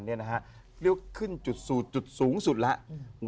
เรียกว่าขึ้นจุดสูตรจุดสูงสุดแล้ว